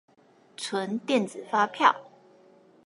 存電子發票